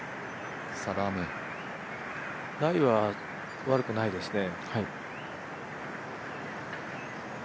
ライは悪くないですね。